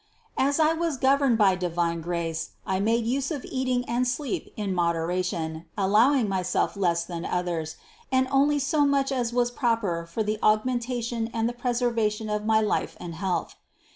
As I was governed by divine grace, I made use of eating and sleep in moderation, allowing myself less than others, and only so much as was proper for the aug mentation and the preservation of my life and health.